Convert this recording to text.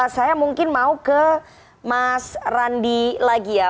saya mungkin mau ke mas randi lagi ya